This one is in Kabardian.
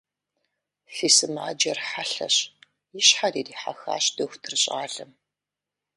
Фи сымаджэр хьэлъэщ, – и щхьэр ирихьэхащ дохутыр щӏалэм.